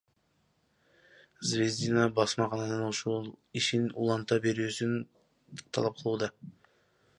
Звездина басмакананын ишин уланта берүүсүн талап кылууда.